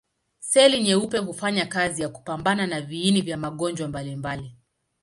Seli nyeupe hufanya kazi ya kupambana na viini vya magonjwa mbalimbali.